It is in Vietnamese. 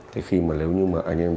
thì khi mà nếu như mà anh em